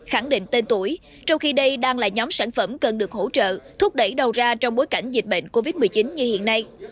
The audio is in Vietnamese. khẳng định tên tuổi trong khi đây đang là nhóm sản phẩm cần được hỗ trợ thúc đẩy đầu ra trong bối cảnh dịch bệnh covid một mươi chín như hiện nay